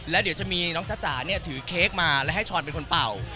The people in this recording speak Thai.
แล้วเดี๋ยวจะมีน้องจ๊ะจ๋าเนี่ยถือเค้กมาและให้ช้อนเป็นคนเป่า